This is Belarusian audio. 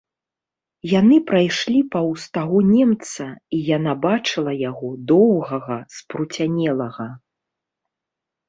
Яны прайшлі паўз таго немца, і яна бачыла яго, доўгага, спруцянелага.